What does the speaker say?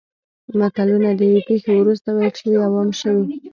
متلونه د یوې پېښې وروسته ویل شوي او عام شوي